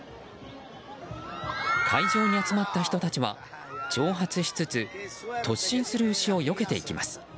会場に集まった人たちは挑発しつつ突進する牛をよけていきます。